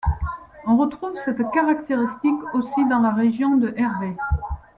On retrouve cette caractéristique aussi dans la région de Herve.